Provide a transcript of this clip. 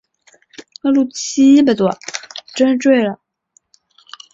芬特尔是德国下萨克森州的一个市镇。